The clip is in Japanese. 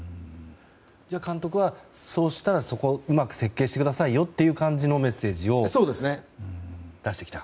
監督は、そうしたらそこをうまく設計してくださいよというメッセージを出してきた？